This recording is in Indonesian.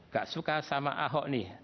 gak suka sama ahok nih